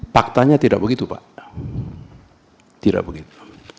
faktanya tidak begitu pak tidak begitu